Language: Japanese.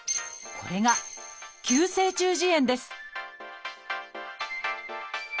これが急性中耳炎です